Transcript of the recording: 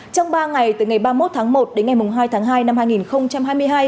trong ba ngày từ ngày ba mươi một tháng một đến ngày hai tháng hai năm hai nghìn hai mươi hai